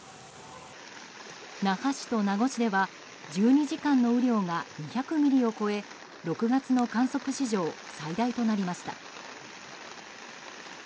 那覇市と名護市では１２時間の雨量が２００ミリを超え６月の観測史上最大となりました。